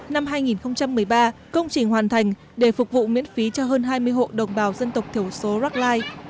năm hai nghìn một mươi ba công trình hoàn thành để phục vụ miễn phí cho hơn hai mươi hộ đồng bào dân tộc thiểu số rackline